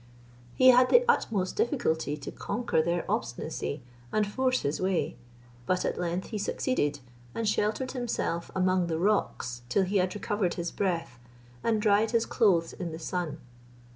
He had the utmost difficulty to conquer their obstinacy and force his way, but at length he succeeded, and sheltered himself among the rocks till he had recovered his breath, and dried his clothes in the sun.